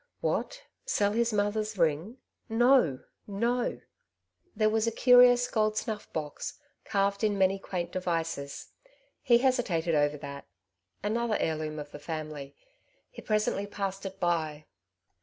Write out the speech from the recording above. What, sell his mother's ring ? no ! no ! There was a curious gold snuff box, carved in many quaint devices. He hesitated over that, another heirloom of the family ; he presently passed it by.